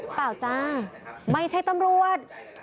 เปล่าจ้าไม่ใช่ตำรวจ